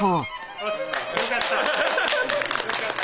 よしよくやった！